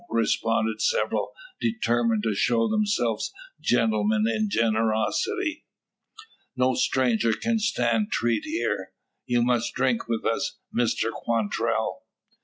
respond several, determined to show themselves gentlemen in generosity. "No stranger can stand treat here. You must drink with us, Mr Quantrell."